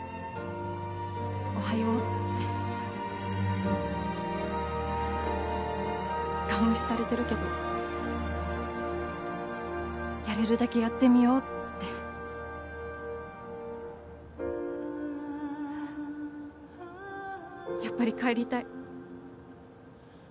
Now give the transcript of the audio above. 「おはよう」ってガン無視されてるけどやれるだけやってみようってやっぱり帰りたい